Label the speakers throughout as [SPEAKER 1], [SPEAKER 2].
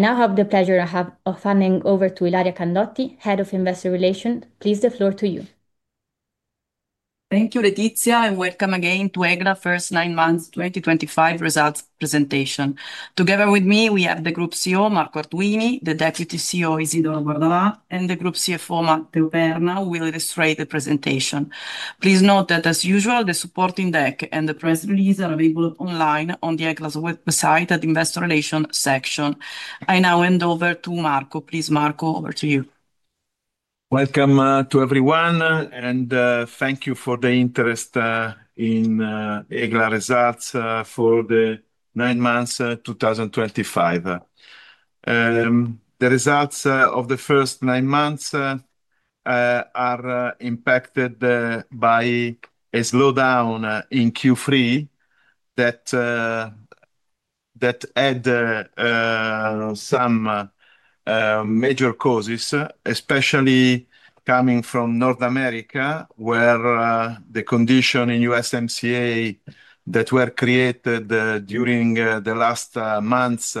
[SPEAKER 1] Now I have the pleasure of handing over to Ilaria Candotti, Head of Investor Relations. Please, the floor to you.
[SPEAKER 2] Thank you, Letizia, and welcome again to EGLA's First Nine Months 2025 Results Presentation. Together with me, we have the Group CEO, Marco Arduini, the Deputy CEO, Isidoro Guardalà, and the Group CFO, Matteo Perna, who will illustrate the presentation. Please note that, as usual, the supporting deck and the press release are available online on EGLA's website at the Investor Relations section. I now hand over to Marco. Please, Marco, over to you.
[SPEAKER 3] Welcome to everyone, and thank you for the interest in EGLA results for the nine months 2025. The results of the first nine months are impacted by a slowdown in Q3 that had some major causes, especially coming from North America, where the conditions in USMCA that were created during the last months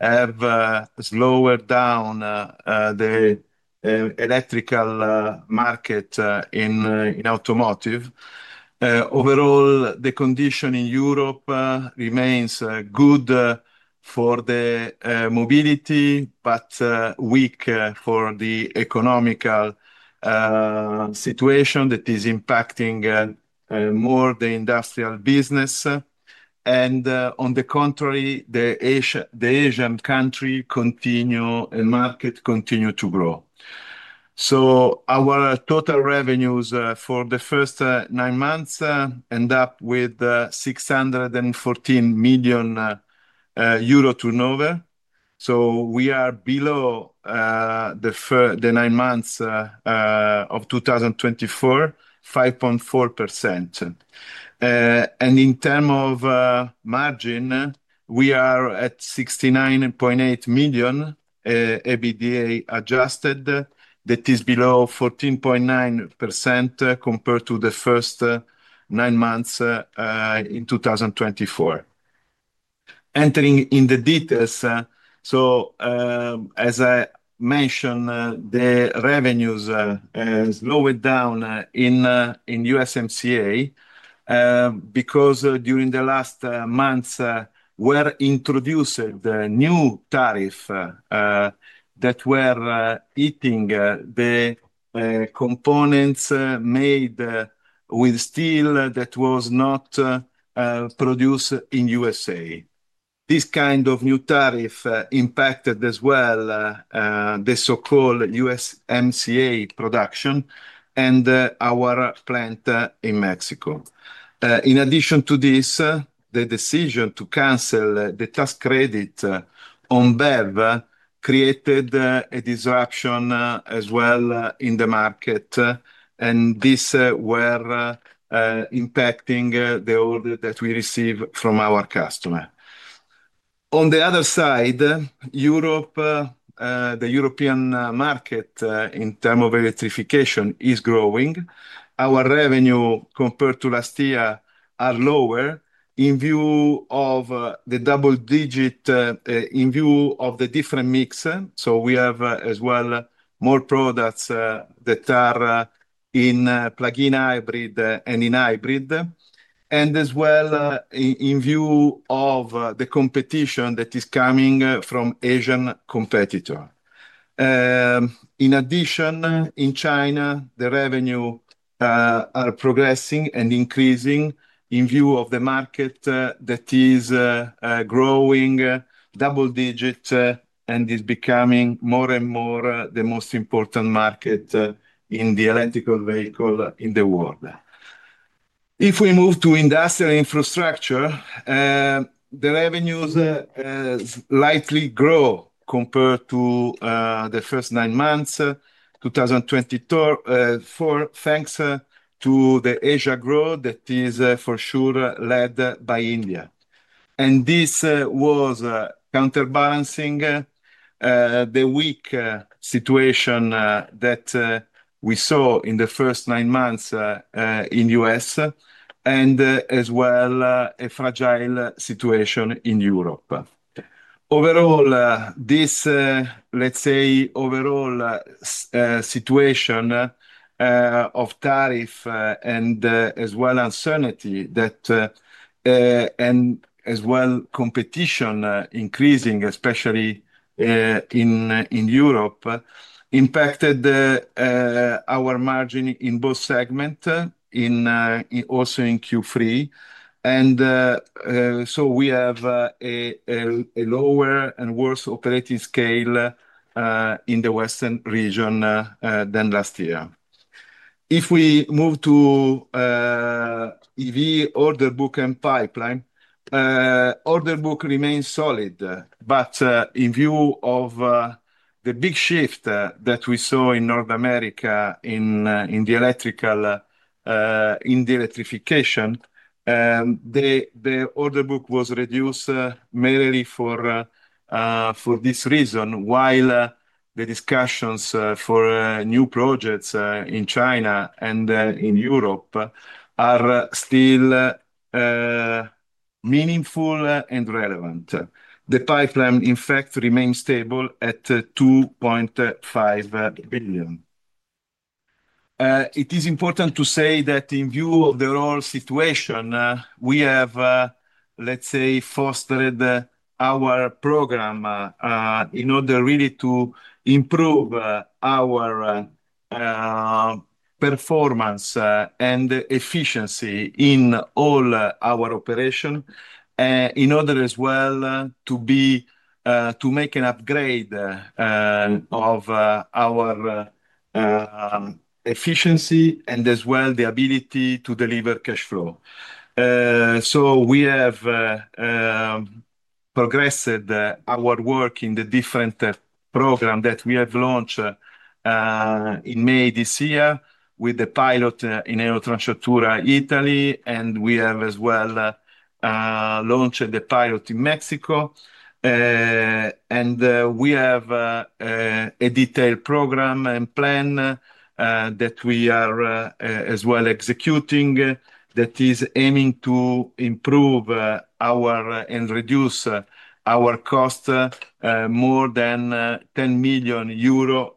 [SPEAKER 3] have slowed down the electrical market in automotive. Overall, the condition in Europe remains good for the mobility, but weak for the economical situation that is impacting more the industrial business. On the contrary, the Asian countries and markets continue to grow. Our total revenues for the first nine months end up with 614 million euro turnover. We are below the nine months of 2024, 5.4%. In terms of margin, we are at 69.8 million EBITDA adjusted, that is below 14.9% compared to the first nine months in 2024. Entering in the details, so as I mentioned, the revenues slowed down in USMCA because during the last months were introduced new tariffs that were hitting the components made with steel that was not produced in the U.S. This kind of new tariff impacted as well the so-called USMCA production and our plant in Mexico. In addition to this, the decision to cancel the tax credit on BEV created a disruption as well in the market, and this was impacting the orders that we receive from our customers. On the other side, Europe, the European market in terms of electrification is growing. Our revenue, compared to last year, is lower in view of the double digit in view of the different mix. We have as well more products that are in plug-in hybrid and in hybrid, and as well in view of the competition that is coming from Asian competitors. In addition, in China, the revenues are progressing and increasing in view of the market that is growing double digit and is becoming more and more the most important market in the electrical vehicle in the world. If we move to industrial infrastructure, the revenues slightly grow compared to the first nine months 2024, thanks to the Asia growth that is for sure led by India. This was counterbalancing the weak situation that we saw in the first nine months in the U.S. and as well a fragile situation in Europe. Overall, this, let's say, overall situation of tariff and as well uncertainty that and as well competition increasing, especially in Europe, impacted our margin in both segments, also in Q3. We have a lower and worse operating scale in the Western region than last year. If we move to EV order book and pipeline, order book remains solid, but in view of the big shift that we saw in North America in the electrical, in the electrification, the order book was reduced merely for this reason, while the discussions for new projects in China and in Europe are still meaningful and relevant. The pipeline, in fact, remains stable at 2.5 billion. It is important to say that in view of the overall situation, we have, let's say, fostered our program in order really to improve our performance and efficiency in all our operations, in order as well to make an upgrade of our efficiency and as well the ability to deliver cash flow. We have progressed our work in the different programs that we have launched in May this year with the pilot in EuroTrasportura Italy, and we have as well launched the pilot in Mexico. We have a detailed program and plan that we are as well executing that is aiming to improve our and reduce our cost more than 10 million euro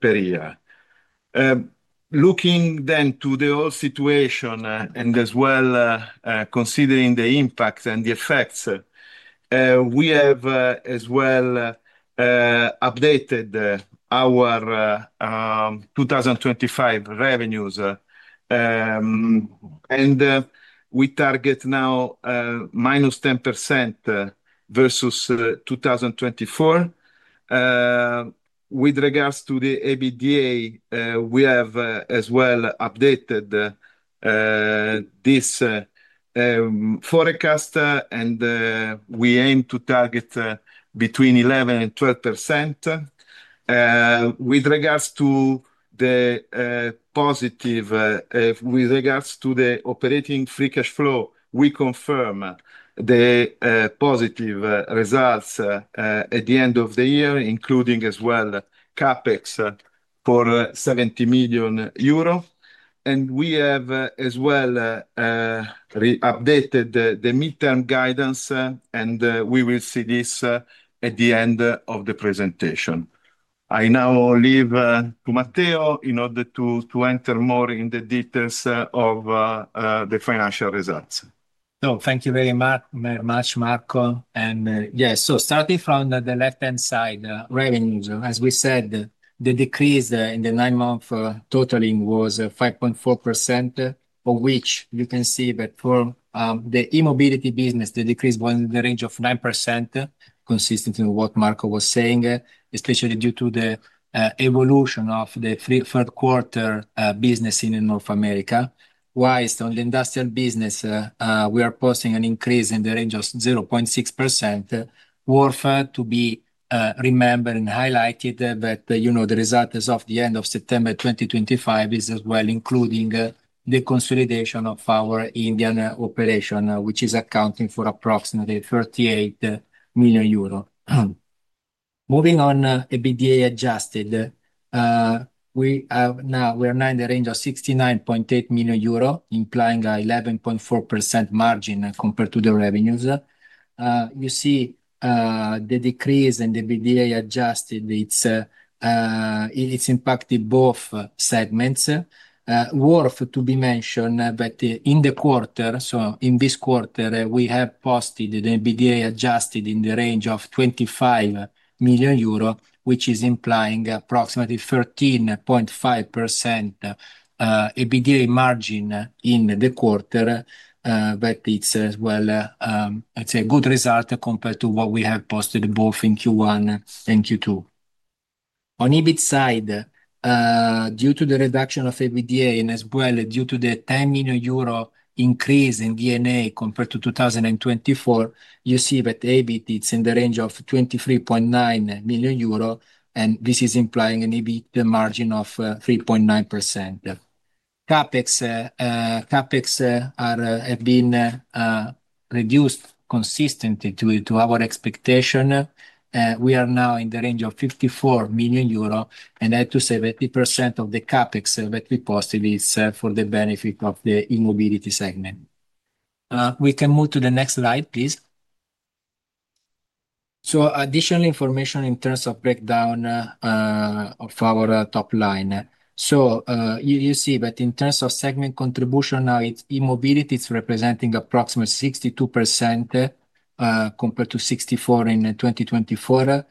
[SPEAKER 3] per year. Looking then to the whole situation and as well considering the impacts and the effects, we have as well updated our 2025 revenues, and we target now minus 10% versus 2024. With regards to the EBITDA, we have as well updated this forecast, and we aim to target between 11% and 12%. With regards to the operating free cash flow, we confirm the positive results at the end of the year, including as well CaPex for 70 million euro. We have as well updated the midterm guidance, and we will see this at the end of the presentation. I now leave to Matteo in order to enter more in the details of the financial results.
[SPEAKER 4] No, thank you very much, Marco. Yes, so starting from the left-hand side, revenues, as we said, the decrease in the nine-month totaling was 5.4%, for which you can see that for the e-mobility business, the decrease was in the range of 9%, consistent with what Marco was saying, especially due to the evolution of the third-quarter business in North America. Whilst on the industrial business, we are posting an increase in the range of 0.6%. Worth to be remembered and highlighted that the result as of the end of September 2025 is as well including the consolidation of our Indian operation, which is accounting for approximately 38 million euros. Moving on, EBITDA adjusted, we are now in the range of 69.8 million euro, implying an 11.4% margin compared to the revenues. You see the decrease in the EBITDA adjusted, it's impacted both segments. Worth to be mentioned that in the quarter, so in this quarter, we have posted the EBITDA adjusted in the range of 25 million euro, which is implying approximately 13.5% EBITDA margin in the quarter, but it's as well, I'd say, a good result compared to what we have posted both in Q1 and Q2. On EBIT side, due to the reduction of EBITDA and as well due to the 10 million euro increase in DNA compared to 2024, you see that EBIT is in the range of 23.9 million euro, and this is implying an EBIT margin of 3.9%. CaPex have been reduced consistently to our expectation. We are now in the range of 54 million euro, and that's to say 80% of the CaPex that we posted is for the benefit of the e-mobility segment. We can move to the next slide, please. Additional information in terms of breakdown of our top line. You see that in terms of segment contribution, now e-mobility is representing approximately 62% compared to 64% in 2024.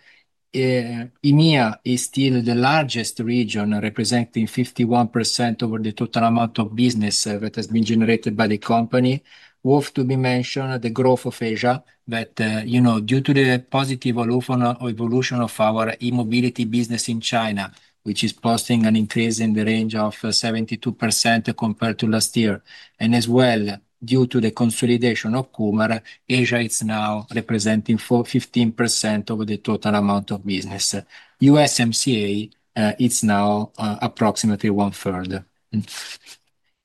[SPEAKER 4] EMEA is still the largest region, representing 51% over the total amount of business that has been generated by the company. Worth mentioning is the growth of Asia that, you know, due to the positive evolution of our e-mobility business in China, which is posting an increase in the range of 72% compared to last year. As well, due to the consolidation of Kumar, Asia is now representing 15% over the total amount of business. USMCA is now approximately one-third.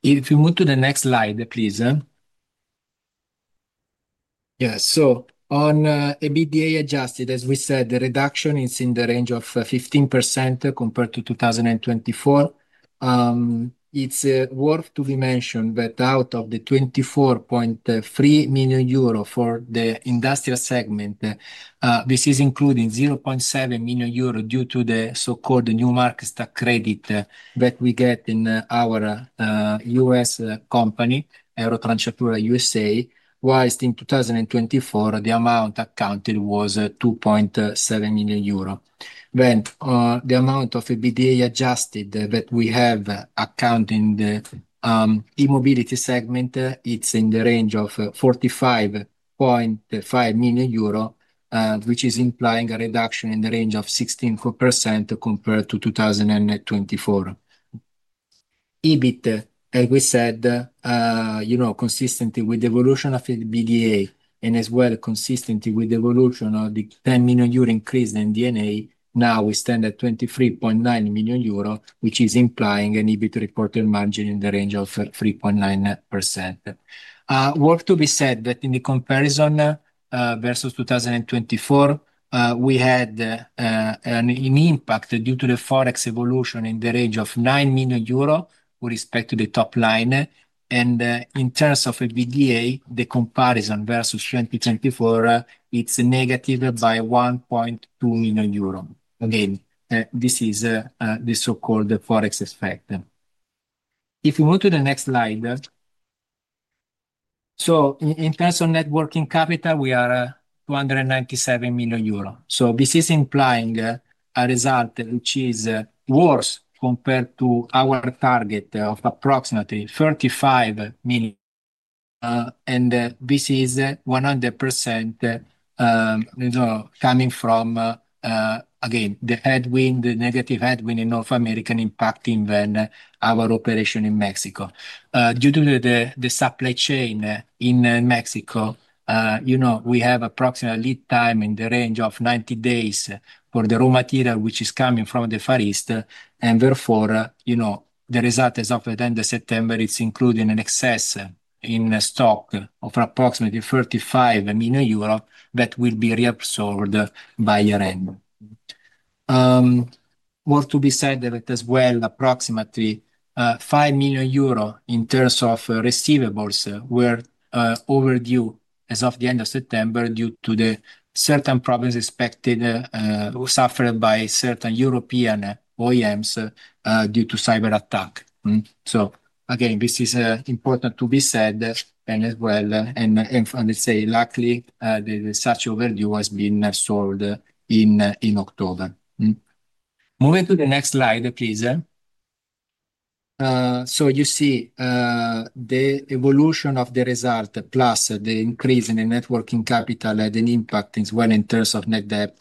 [SPEAKER 4] If we move to the next slide, please. On EBITDA adjusted, as we said, the reduction is in the range of 15% compared to 2024. It's worth to be mentioned that out of the 24.3 million euro for the industrial segment, this is including 0.7 million euro due to the so-called new markets credit that we get in our U.S. company, EuroTransportera USA, whilst in 2024, the amount accounted was 2.7 million euro. The amount of EBITDA adjusted that we have accounting the e-mobility segment, it's in the range of 45.5 million euro, which is implying a reduction in the range of 16% compared to 2024. EBIT, as we said, you know, consistently with the evolution of EBITDA and as well consistently with the evolution of the 10 million euro increase in DNA, now we stand at 23.9 million euro, which is implying an EBIT reported margin in the range of 3.9%. Worth to be said that in the comparison versus 2024, we had an impact due to the forex evolution in the range of 9 million euro with respect to the top line. In terms of EBITDA, the comparison versus 2024, it's negative by 1.2 million euro. Again, this is the so-called forex effect. If we move to the next slide. In terms of networking capital, we are 297 million euro. This is implying a result which is worse compared to our target of approximately 35 million. This is 100% coming from, again, the headwind, the negative headwind in North America impacting then our operation in Mexico. Due to the supply chain in Mexico, you know, we have approximately lead time in the range of 90 days for the raw material which is coming from the Far East. Therefore, you know, the result as of the end of September, it is including an excess in stock of approximately 35 million euro that will be reabsorbed by year-end. Worth to be said that as well approximately 5 million euro in terms of receivables were overdue as of the end of September due to certain problems expected, suffered by certain European OEMs due to cyber attack. Again, this is important to be said and, let's say, luckily such overdue has been solved in October. Moving to the next slide, please. You see the evolution of the result plus the increase in the net working capital had an impact as well in terms of net debt.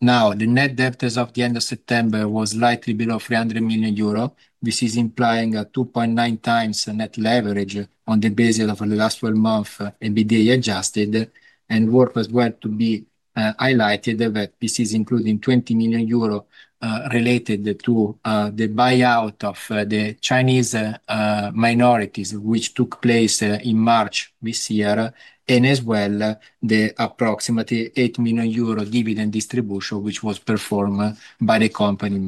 [SPEAKER 4] Now, the net debt as of the end of September was likely below 300 million euro. This is implying a 2.9 times net leverage on the basis of the last 12 months EBITDA adjusted. It is worth as well to be highlighted that this is including 20 million euro related to the buyout of the Chinese minorities, which took place in March this year, and as well the approximately 8 million euro dividend distribution, which was performed by the company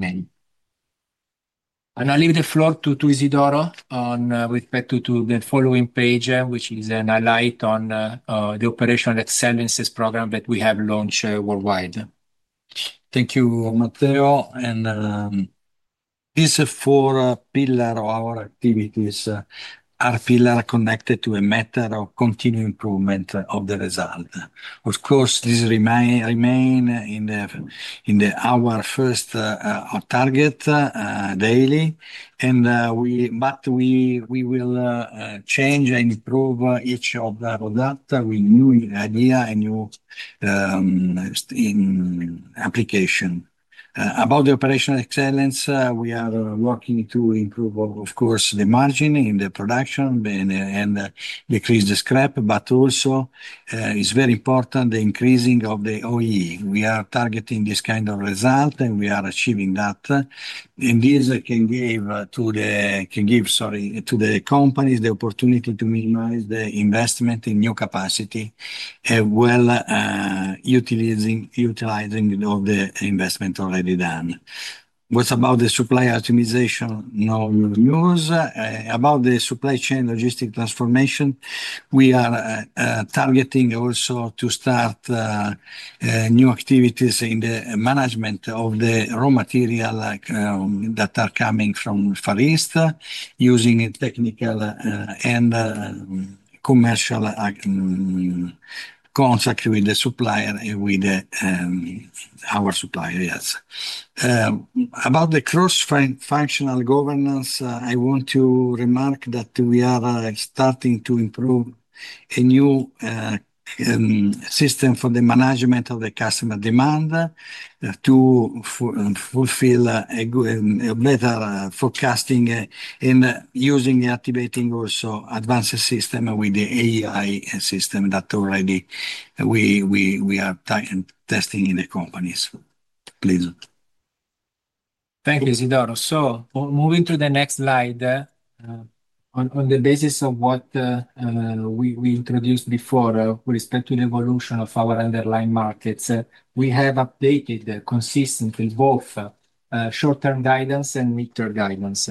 [SPEAKER 4] in May. I will leave the floor to Isidoro with respect to the following page, which is a highlight on the operational excellences program that we have launched worldwide.
[SPEAKER 5] Thank you, Matteo. These four pillars of our activities are pillars connected to a matter of continued improvement of the result. Of course, this remains our first target daily, but we will change and improve each of the products with new ideas and new applications. About the operational excellence, we are working to improve, of course, the margin in the production and decrease the scrap, but also it is very important the increasing of the OEE. We are targeting this kind of result and we are achieving that. This can give to the companies the opportunity to minimize the investment in new capacity while utilizing the investment already done. What's about the supply optimization? No news. About the supply chain logistic transformation, we are targeting also to start new activities in the management of the raw material that are coming from Far East using technical and commercial contact with the supplier and with our suppliers. About the cross-functional governance, I want to remark that we are starting to improve a new system for the management of the customer demand to fulfill a better forecasting and using the activating also advanced system with the AI system that already we are testing in the companies. Please.
[SPEAKER 4] Thank you, Isidoro. Moving to the next slide, on the basis of what we introduced before with respect to the evolution of our underlying markets, we have updated consistently both short-term guidance and mid-term guidance.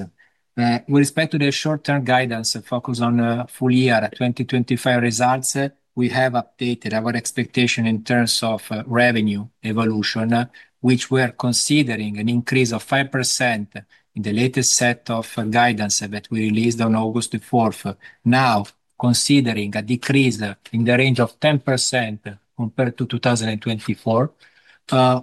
[SPEAKER 4] With respect to the short-term guidance focused on full year 2025 results, we have updated our expectation in terms of revenue evolution, which we are considering an increase of 5% in the latest set of guidance that we released on August 4. Now, considering a decrease in the range of 10% compared to 2024,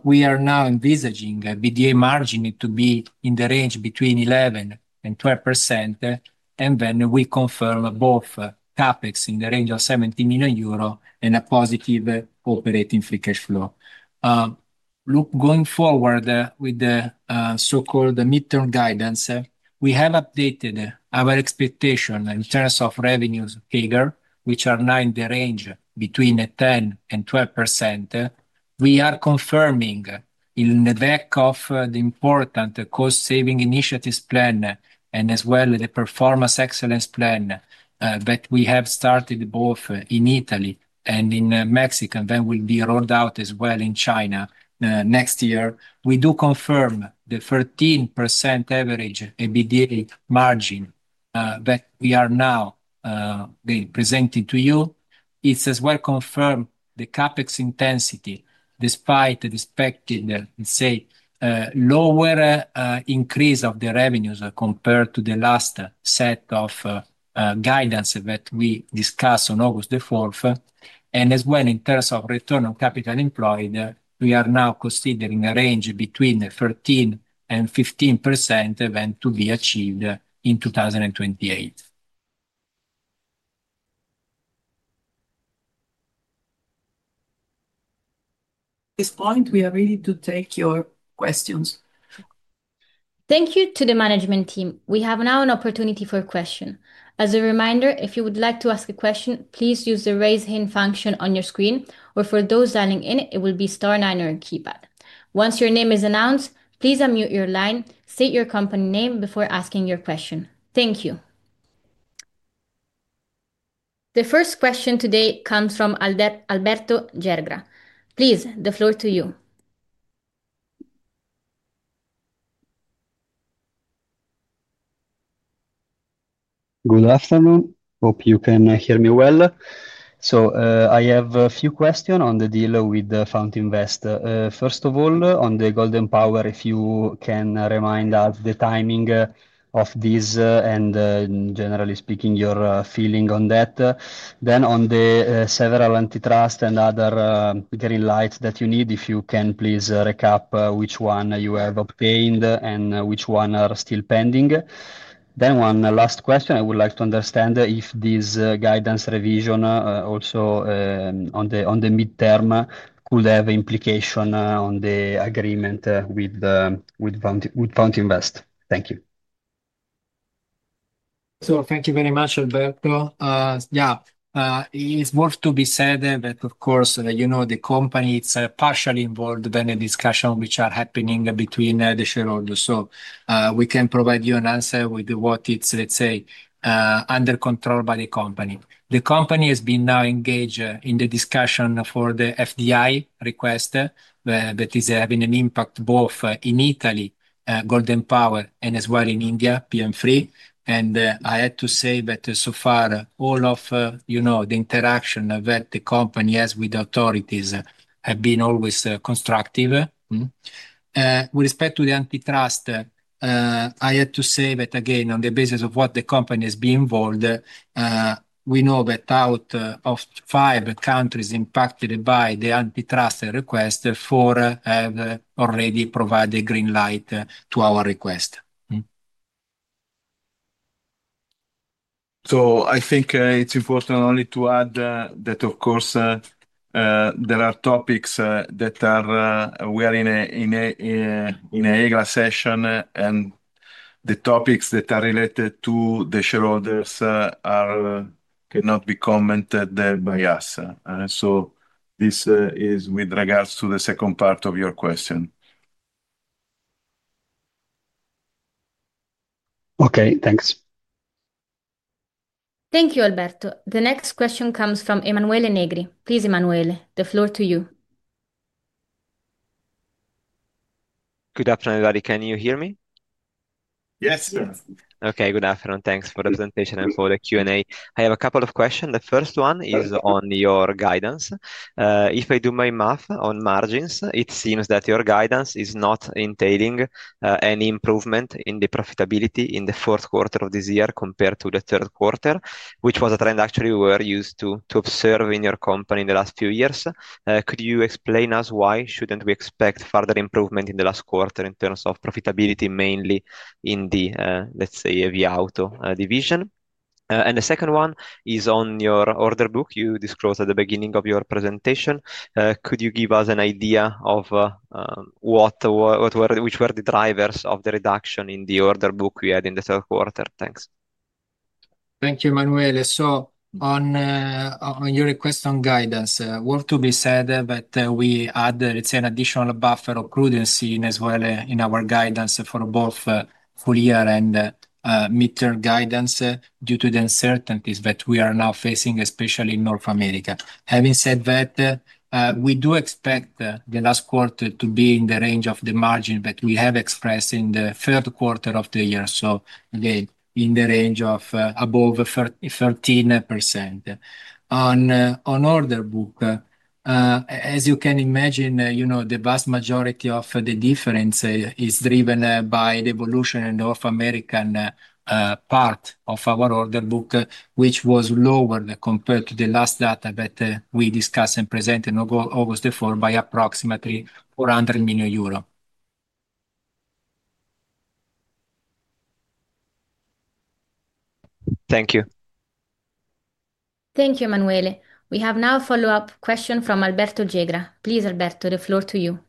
[SPEAKER 4] we are now envisaging EBITDA margin to be in the range between 11%-12%. We confirm both CAPEX in the range of 70 million euro and a positive operating free cash flow. Look, going forward with the so-called mid-term guidance, we have updated our expectation in terms of revenues figure, which are now in the range between 10%-12%. We are confirming, in the back of the important cost-saving initiatives plan and as well the performance excellence plan that we have started both in Italy and in Mexico and then will be rolled out as well in China next year. We do confirm the 13% average EBITDA margin that we are now presenting to you. It is as well confirmed, the CaPex intensity, despite the expected, let's say, lower increase of the revenues compared to the last set of guidance that we discussed on August the 4th. As well, in terms of return on capital employed, we are now considering a range between 13%-15% event to be achieved in 2028.
[SPEAKER 2] At this point, we are ready to take your questions.
[SPEAKER 1] Thank you to the management team. We have now an opportunity for a question. As a reminder, if you would like to ask a question, please use the raise hand function on your screen, or for those signing in, it will be star 9 on your keypad. Once your name is announced, please unmute your line, state your company name before asking your question. Thank you. The first question today comes from Alberto Gergra. Please, the floor to you. Good afternoon. Hope you can hear me well. I have a few questions on the deal with Fountain Invest. First of all, on the golden power, if you can remind us the timing of this and generally speaking your feeling on that. On the several antitrust and other green lights that you need, if you can please recap which ones you have obtained and which ones are still pending. One last question, I would like to understand if this guidance revision also on the mid-term could have implication on the agreement with Fountain Invest. Thank you.
[SPEAKER 4] Thank you very much, Alberto. Yeah, it's worth to be said that, of course, you know, the company is partially involved in the discussion which are happening between the shareholders. We can provide you an answer with what is, let's say, under control by the company. The company has been now engaged in the discussion for the FDI request that is having an impact both in Italy, golden power, and as well in India, PM3. I have to say that so far all of, you know, the interaction that the company has with the authorities have been always constructive. With respect to the antitrust, I have to say that again, on the basis of what the company has been involved, we know that out of five countries impacted by the antitrust request, four have already provided green light to our request.
[SPEAKER 3] I think it's important only to add that, of course, there are topics that are, we are in an EGLA session and the topics that are related to the shareholders cannot be commented by us. This is with regards to the second part of your question. Okay, thanks.
[SPEAKER 5] Thank you, Alberto. The next question comes from Emanuele Negri. Please, Emanuele, the floor to you. Good afternoon, everybody. Can you hear me?
[SPEAKER 3] Yes, sir. Okay, good afternoon. Thanks for the presentation and for the Q&A. I have a couple of questions. The first one is on your guidance. If I do my math on margins, it seems that your guidance is not entailing any improvement in the profitability in the fourth quarter of this year compared to the third quarter, which was a trend actually we were used to observe in your company in the last few years. Could you explain us why we should not expect further improvement in the last quarter in terms of profitability mainly in the, let's say, Viauto division? The second one is on your order book you disclosed at the beginning of your presentation. Could you give us an idea of what were the drivers of the reduction in the order book we had in the third quarter? Thanks.
[SPEAKER 4] Thank you, Emanuele. On your request on guidance, worth to be said that we add, let's say, an additional buffer of prudency as well in our guidance for both full year and mid-term guidance due to the uncertainties that we are now facing, especially in North America. Having said that, we do expect the last quarter to be in the range of the margin that we have expressed in the third quarter of the year. Again, in the range of above 13%. On order book, as you can imagine, you know, the vast majority of the difference is driven by the evolution in North American part of our order book, which was lower compared to the last data that we discussed and presented on August 4, by approximately EUR 400 million. Thank you.
[SPEAKER 1] Thank you, Emanuele. We have now a follow-up question from Alberto Gergra. Please, Alberto, the floor to you.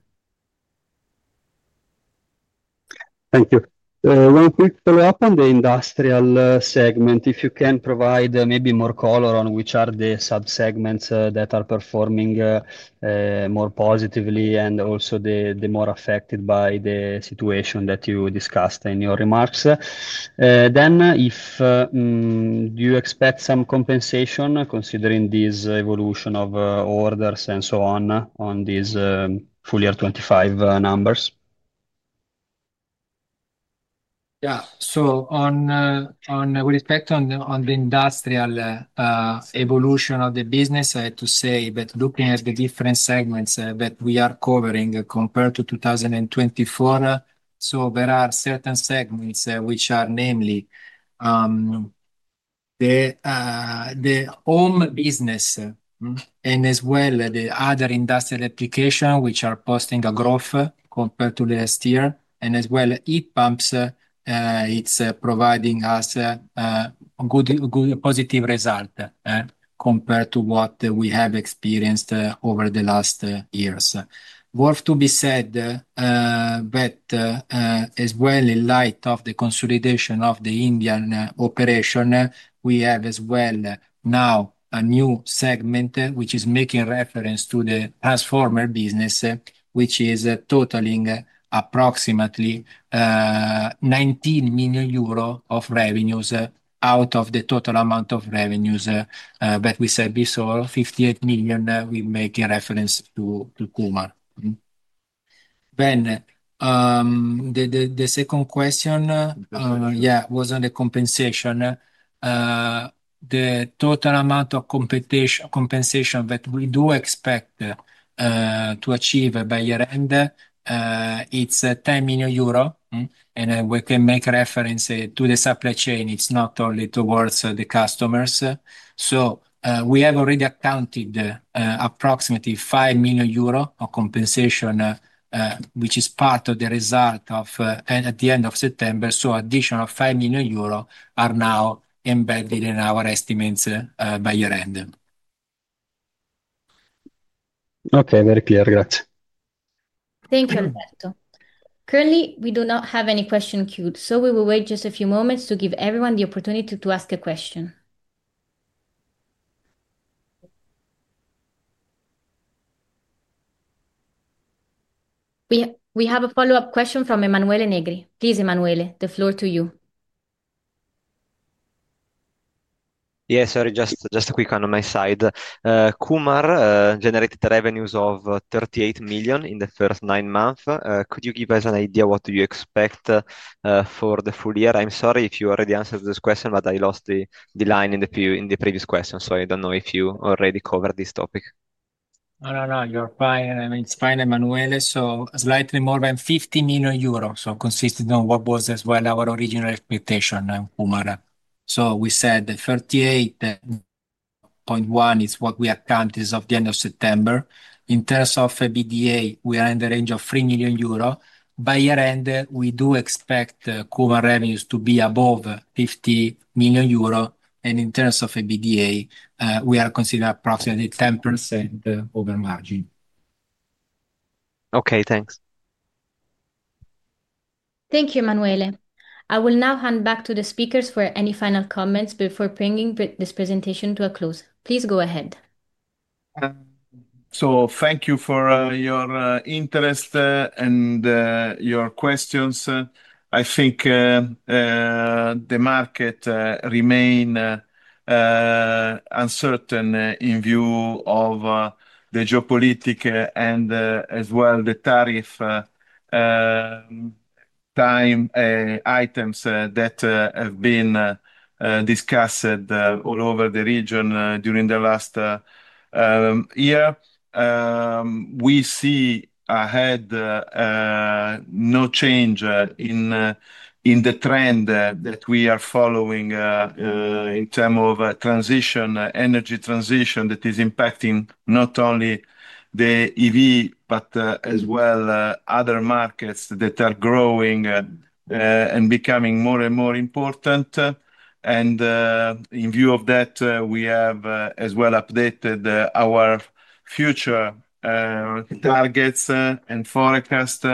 [SPEAKER 1] Thank you. One quick follow-up on the industrial segment. If you can provide maybe more color on which are the subsegments that are performing more positively and also the more affected by the situation that you discussed in your remarks. If you expect some compensation considering this evolution of orders and so on on these full year 2025 numbers.
[SPEAKER 4] Yeah, so on with respect to the industrial evolution of the business, I have to say that looking at the different segments that we are covering compared to 2024, there are certain segments which are namely the home business and as well the other industrial application which are posting a growth compared to last year and as well EPAMPS is providing us a good positive result compared to what we have experienced over the last years. Worth to be said that as well in light of the consolidation of the Indian operation, we have as well now a new segment which is making reference to the transformer business, which is totaling approximately 19 million euro of revenues out of the total amount of revenues that we said before, 58 million we make in reference to Kumar. The second question, yeah, was on the compensation. The total amount of compensation that we do expect to achieve by year-end, it's 10 million euro, and we can make reference to the supply chain. It's not only towards the customers. We have already accounted approximately 5 million euro of compensation, which is part of the result at the end of September. Additional 5 million euro are now embedded in our estimates by year-end. Okay, very clear. Grazie.
[SPEAKER 1] Thank you, Alberto. Currently, we do not have any question queued, so we will wait just a few moments to give everyone the opportunity to ask a question. We have a follow-up question from Emanuele Negri. Please, Emanuele, the floor to you. Yes, sorry, just a quick one on my side. Kumar generated revenues of 38 million in the first nine months. Could you give us an idea what do you expect for the full year? I'm sorry if you already answered this question, but I lost the line in the previous question, so I don't know if you already covered this topic.
[SPEAKER 4] No, no, no, you're fine. It's fine, Emanuele. Slightly more than 50 million euros, consistent with what was as well our original expectation on Kumar. We said 38.1 million is what we accounted at the end of September. In terms of EBITDA, we are in the range of 3 million euro. By year-end, we do expect Kumar revenues to be above 50 million euro, and in terms of EBITDA, we are considering approximately 10% margin. Okay, thanks.
[SPEAKER 1] Thank you, Emanuele. I will now hand back to the speakers for any final comments before bringing this presentation to a close. Please go ahead.
[SPEAKER 3] Thank you for your interest and your questions. I think the market remains uncertain in view of the geopolitics and as well the tariff time items that have been discussed all over the region during the last year. We see ahead no change in the trend that we are following in terms of energy transition that is impacting not only the EV, but as well other markets that are growing and becoming more and more important. In view of that, we have as well updated our future targets and forecasts,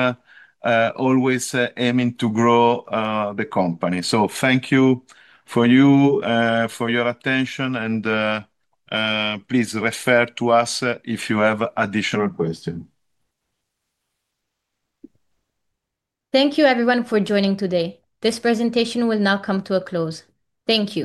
[SPEAKER 3] always aiming to grow the company. Thank you for your attention, and please refer to us if you have additional questions.
[SPEAKER 1] Thank you, everyone, for joining today. This presentation will now come to a close. Thank you.